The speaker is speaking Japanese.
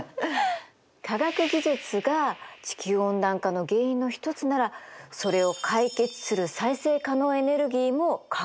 科学技術が地球温暖化の原因の一つならそれを解決する再生可能エネルギーも科学の力なの。